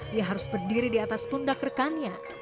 dia harus berdiri di atas pundak rekannya